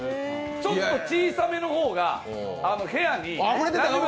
ちょっと小さめの方が部屋になじむ。